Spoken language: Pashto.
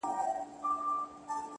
چي ستا له سونډو نه خندا وړي څوك ـ